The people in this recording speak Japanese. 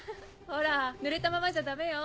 ほらぬれたままじゃダメよ。